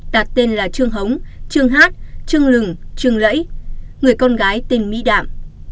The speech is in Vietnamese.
đạt tên là trương hống trương hát trương lừng trương lẫy người con gái tên mỹ đạm